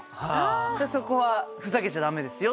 そこはふざけちゃダメですよって。